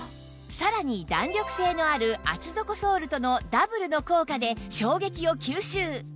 さらに弾力性のある厚底ソールとのダブルの効果で衝撃を吸収！